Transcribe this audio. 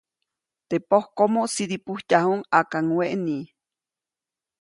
Teʼ pojkomo sidipujtyajuʼuŋ ʼakaŋweʼni.